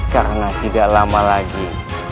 karena tidak lama lagi